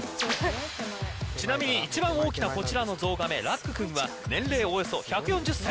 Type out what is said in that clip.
ちなみに一番大きなこちらのゾウガメラック君は年齢およそ１４０歳。